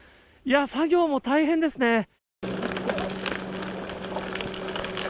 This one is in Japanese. いやー、作業も大変ですね。